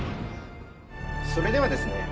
それではですね